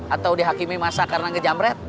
atau dihakimi masa karena ngejamret